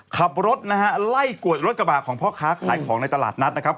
ขับรถนะฮะไล่กวดรถกระบะของพ่อค้าขายของในตลาดนัดนะครับ